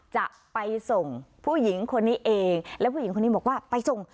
จะไปส่งผู้หญิงคนนี้เองแล้วผู้หญิงคนนี้บอกว่าไปส่ง